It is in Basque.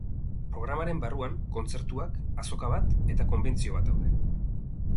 Programaren barruan kontzertuak, azoka bat eta konbentzio bat daude.